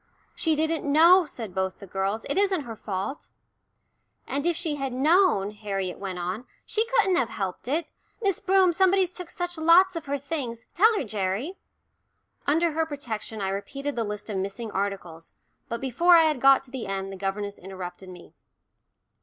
"She didn't know," said both the girls. "It isn't her fault." "And if she had known," Harriet went on, "she couldn't have helped it. Miss Broom, somebody's took such lots of her things. Tell her, Gerry." Under her protection I repeated the list of missing articles, but before I had got to the end the governess interrupted me.